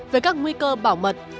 về các nguy cơ bảo mật